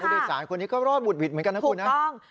โดยสารคนนี้ก็รอดบุดหวิดเหมือนกันนะคุณนะถูกต้อง